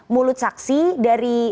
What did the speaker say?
mulut saksi dari